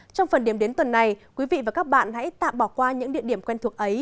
trong phần điểm đến tuần này quý vị và các bạn hãy tạm bỏ qua những địa điểm quen thuộc ấy